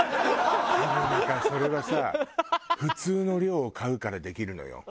多分だからそれはさ普通の量を買うからできるのよ